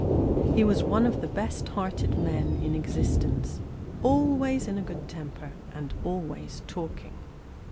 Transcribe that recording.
He was one of the best hearted men in existence: always in a good temper, and always talking.